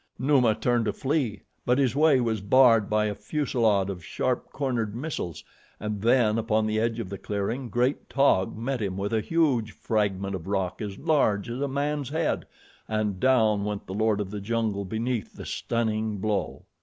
Numa turned to flee, but his way was barred by a fusilade of sharp cornered missiles, and then, upon the edge of the clearing, great Taug met him with a huge fragment of rock as large as a man's head, and down went the Lord of the Jungle beneath the stunning blow.